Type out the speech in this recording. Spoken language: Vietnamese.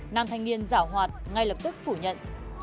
nam thanh niên dạo hoạt ngay lập tức phủ nhận